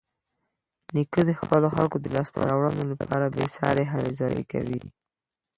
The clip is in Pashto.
نیکه د خپلو خلکو د لاسته راوړنو لپاره بېسارې هلې ځلې کوي.